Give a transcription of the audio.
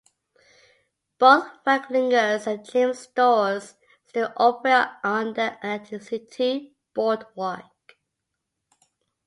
Both Fralinger's and James's stores still operate on the Atlantic City boardwalk.